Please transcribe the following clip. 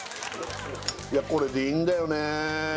いやこれでいいんだよね